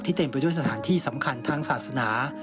เต็มไปด้วยสถานที่สำคัญทางศาสนา